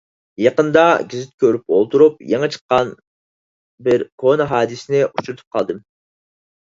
يېقىندا گېزىت كۆرۈپ ئولتۇرۇپ، يېڭى چىققان بىر كونا ھادىسىنى ئۇچرىتىپ قالدىم.